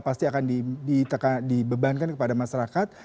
pasti akan dibebankan kepada masyarakat